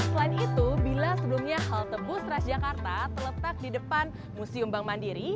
selain itu bila sebelumnya halte bus ras jakarta terletak di depan museum bang mandiri